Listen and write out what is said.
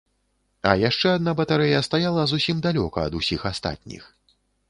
А яшчэ адна батарэя стаяла зусім далёка ад усіх астатніх.